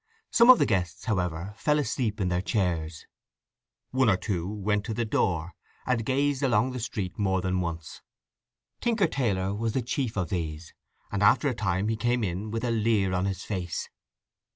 Some of the guests, however, fell asleep in their chairs. One or two went to the door, and gazed along the street more than once. Tinker Taylor was the chief of these, and after a time he came in with a leer on his face.